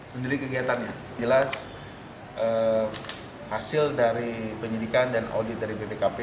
sendiri kegiatannya jelas hasil dari penyidikan dan audit dari bpkp